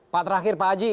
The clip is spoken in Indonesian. pak terakhir pak haji